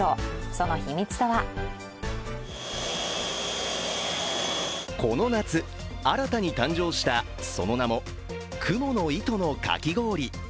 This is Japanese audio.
その秘密とはこの夏、新たに誕生したその名も、雲の糸のかきごおり。